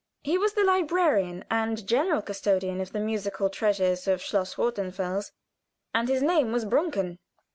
He was the librarian and general custodian of the musical treasures of Schloss Rothenfels, and his name was Brunken.